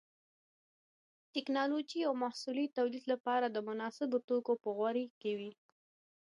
د ټېکنالوجۍ د یو محصول د تولید لپاره د مناسبو توکو په غوراوي کې.